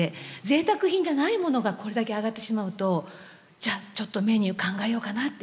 ぜいたく品じゃないものがこれだけ上がってしまうとじゃあちょっとメニュー考えようかなっていう。